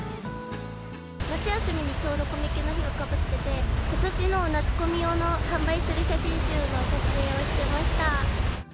夏休みにちょうど、コミケの日がかぶってて、ことしの夏コミ用の販売する写真集の撮影をしていました。